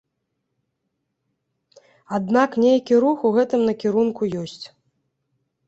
Аднак нейкі рух у гэтым накірунку ёсць.